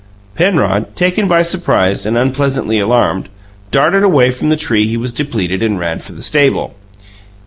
Penrod, taken by surprise and unpleasantly alarmed, darted away from the tree he was depleting and ran for the stable.